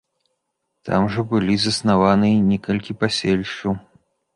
Там жа былі заснаваныя і некалькі паселішчаў.